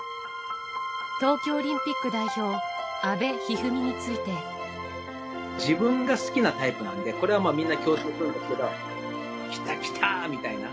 東京オリンピック代表、自分が好きなタイプなんで、これはみんな共通するんですけど、きたきた！みたいな。